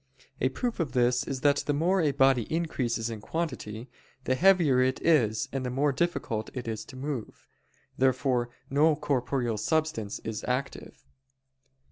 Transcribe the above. A proof of this is that the more a body increases in quantity, the heavier it is and the more difficult to move. Therefore no corporeal substance is active.